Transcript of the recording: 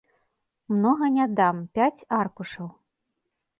Многа не дам, пяць аркушаў.